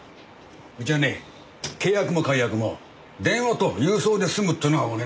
うちはね契約も解約も電話と郵送で済むっていうのが売りなんですよ。